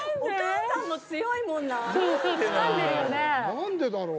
何でだろう？